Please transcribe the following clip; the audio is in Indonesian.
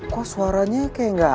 kok suaranya kayak gak